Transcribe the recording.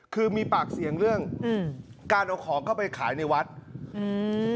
คือมีปากเสียงเรื่องอืมการเอาของเข้าไปขายในวัดอืม